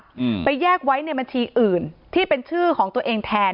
อืมไปแยกไว้ในบัญชีอื่นที่เป็นชื่อของตัวเองแทน